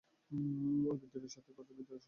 এই বিদ্রোহের সাথে গদর বিদ্রোহের সম্পর্ক ছিল।